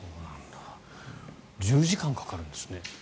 １０時間かかるんですね